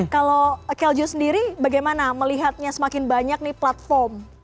kalau keljo sendiri bagaimana melihatnya semakin banyak nih platform